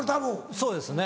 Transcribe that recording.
そうですね。